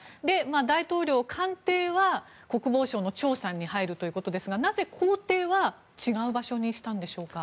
大統領官邸は国防省の庁舎に入るということですがなぜ公邸は違う場所にしたんでしょうか？